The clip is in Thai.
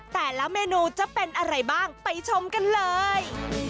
แต่ละเมนูจะเป็นอะไรบ้างไปชมกันเลย